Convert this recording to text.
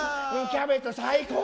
キャベツ最高！